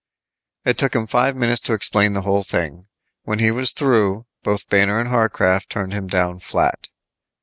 It took him five minutes to explain the whole thing. When he was through, both Banner and Harcraft turned him down flat.